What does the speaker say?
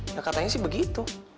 nah katanya sih begitu